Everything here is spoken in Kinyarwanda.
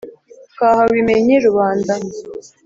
twahawe imenyi rubanda,